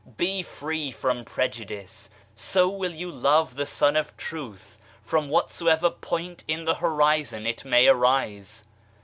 Be free from prejudice, so will you love the Sun of Truth from whatsoever point in the horizon it may arise